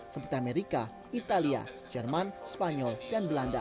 seperti amerika italia jerman spanyol dan belanda